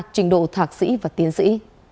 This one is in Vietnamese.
trình độ thạc sĩ và tiến sĩ